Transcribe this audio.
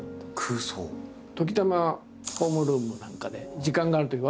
時たまホームルームなんかで時間があるとき